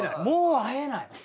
もう会えない。